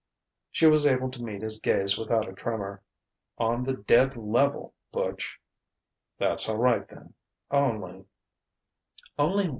She was able to meet his gaze without a tremor: "On the dead level, Butch." "That's all right then. Only...."